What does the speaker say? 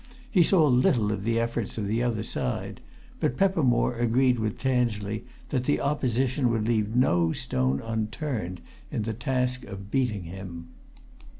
He saw little of the efforts of the other side; but Peppermore agreed with Tansley that the opposition would leave no stone unturned in the task of beating him.